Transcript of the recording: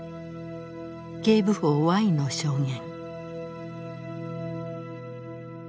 警部補Ｙの証言。